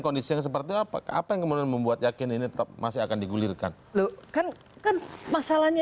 bisnis seperti apa apa yang membuat yakin ini tetap masih akan digulirkan lho kan kan masalahnya